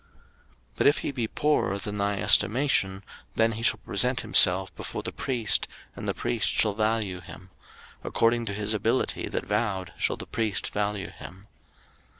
03:027:008 But if he be poorer than thy estimation, then he shall present himself before the priest, and the priest shall value him; according to his ability that vowed shall the priest value him.